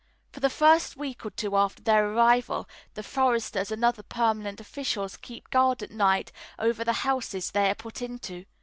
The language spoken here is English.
For the first week or two after their arrival, the foresters and other permanent officials keep guard at night over the houses they are put into.